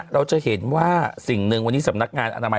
เราจะเห็นว่าสิ่งหนึ่งวันนี้สำนักงานอนามัย